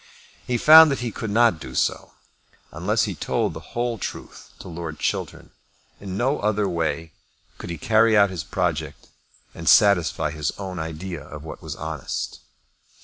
He found that he could not do so, unless he told the whole truth to Lord Chiltern. In no other way could he carry out his project and satisfy his own idea of what was honest.